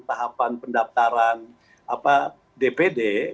tahapan pendaftaran dpd